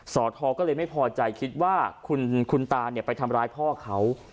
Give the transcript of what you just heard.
สอทก็เลยไม่พอใจคิดว่าคุณคุณตาเนี่ยไปทำร้ายพ่อเขา